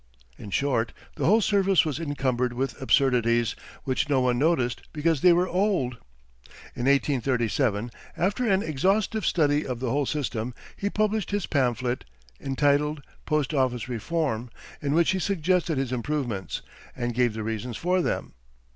In short, the whole service was incumbered with absurdities, which no one noticed because they were old. In 1837, after an exhaustive study of the whole system, he published his pamphlet, entitled Post Office Reforms, in which he suggested his improvements, and gave the reasons for them.